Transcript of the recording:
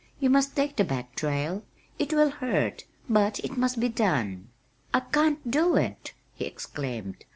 You must take the back trail. It will hurt, but it must be done." "I can't do it!" he exclaimed.